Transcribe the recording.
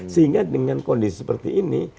sehingga dengan kondisi seperti ini